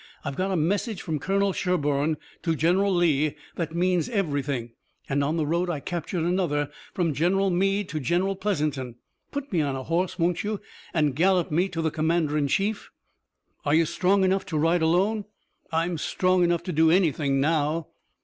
I've got a message from Colonel Sherburne to General Lee that means everything, and on the road I captured another from General Meade to General Pleasanton. Put me on a horse, won't you, and gallop me to the commander in chief!" "Are you strong enough to ride alone?" "I'm strong enough to do anything now."